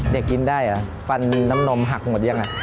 กินได้เหรอฟันน้ำนมหักหมดยัง